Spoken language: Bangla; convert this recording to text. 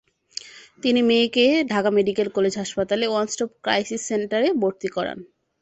তিনি মেয়েকে ঢাকা মেডিকেল কলেজ হাসপাতালের ওয়ান স্টপ ক্রাইসিস সেন্টারে ভর্তি করান।